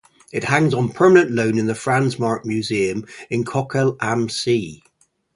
It hangs on permanent loan in the Franz Marc Museum in Kochel am See.